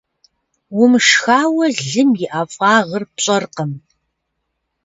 Умышхауэ, лым и ӀэфӀагъыр пщӀэркъым.